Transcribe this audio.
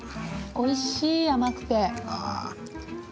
おいしい、甘くて。